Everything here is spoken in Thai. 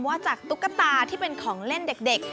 ว่าจากตุ๊กตาที่เป็นของเล่นเด็ก